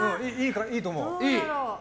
いいと思う。